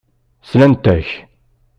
Slant-ak.